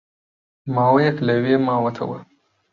ماوەیەک لەوێ ماوەتەوە